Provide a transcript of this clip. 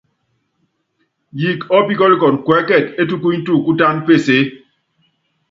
Yiik ɔ́píkɔ́lɔn kuɛ́kɛt é tubuny tuukútán pesée.